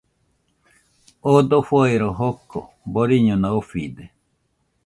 Oo dofo ero joko boriñona ofide.